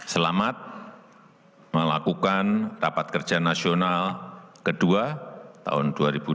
selamat melakukan rapat kerja nasional ke dua tahun dua ribu dua puluh satu dua ribu dua puluh dua